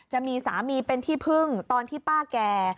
จะมีสามีเป็นที่พึ่งตอนที่ป้าแก่